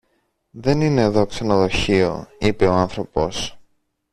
Δεν είναι δω ξενοδοχείο, είπε ο άνθρωπος.